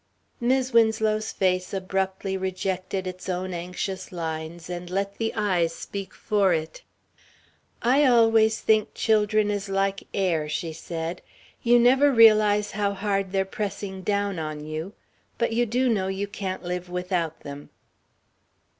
Mis' Winslow's face abruptly rejected its own anxious lines and let the eyes speak for it. "I always think children is like air," she said; "you never realize how hard they're pressing down on you but you do know you can't live without them."